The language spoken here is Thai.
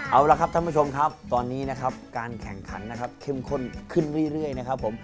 เอาละครับท่านผู้ชมครับตอนนี้นะครับการแข่งขันนะครับเข้มข้นขึ้นเรื่อยนะครับผม